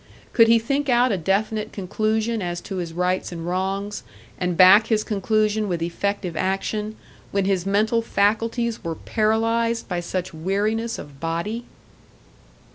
Could he think out a definite conclusion as to his rights and wrongs, and back his conclusion with effective action, when his mental faculties were paralysed by such weariness of body?